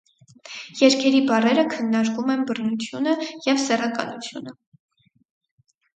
Երգերի բառերը քննարկում են բռնությունը և սեռականությունը։